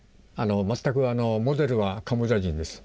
全くモデルはカンボジア人です。